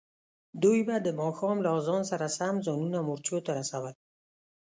دوی به د ماښام له اذان سره سم ځانونه مورچو ته رسول.